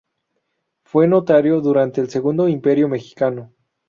Fue notario durante el Segundo Imperio Mexicano.